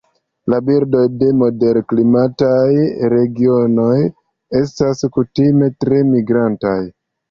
La birdoj de moderklimataj regionoj estas kutime tre migrantaj.